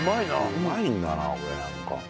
うまいんだなこれなんか。